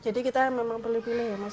jadi kita memang perlu pilih ya mas